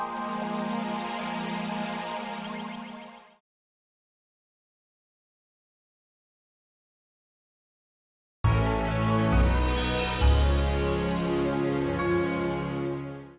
opo kalau bukit pabe